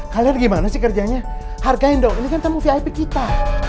kalian gimana sih kerjanya hargain dong ini kan tamu vip kita